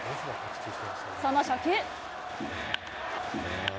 その初球。